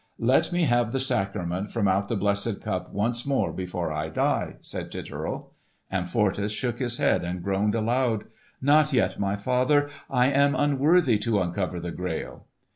"Let me have the sacrament from out the blessed Cup once more before I die," said Titurel. Amfortas shook his head and groaned aloud. "Not yet, my father! I am unworthy to uncover the Grail!"